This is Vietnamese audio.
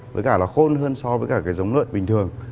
với cả là khôn hơn so với cả cái giống lợn bình thường